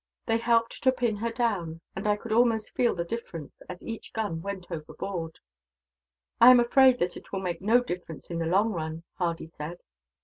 "They helped to pin her down, and I could almost feel the difference, as each gun went overboard." "I am afraid that it will make no difference, in the long run," Hardy said.